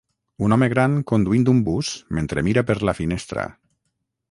Un home gran conduint un bus mentre mira per la finestra.